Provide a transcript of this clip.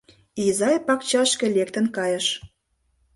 Изай пакчашке лектын кайыш.